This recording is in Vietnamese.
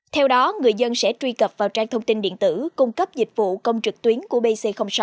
theo đó người dân sẽ truy cập vào trang thông tin điện tử cung cấp dịch vụ công trực tuyến của pc sáu